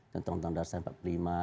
tentang darussalam empat puluh lima